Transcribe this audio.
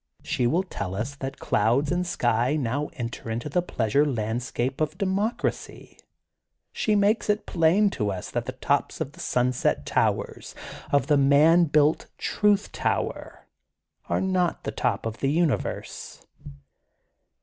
She will tell us that clouds and sky now enter into the pleasure landscape of dempc racy. She makes it plain to us that the tops of the sunset towers, of the man built Truth Tower, are not the top of the Universe.